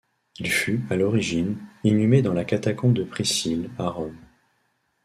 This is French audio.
Il fut, à l'origine, inhumé dans la catacombe de Priscille, à Rome.